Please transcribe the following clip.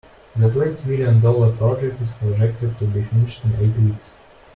The twenty million dollar project is projected to be finished in eight weeks.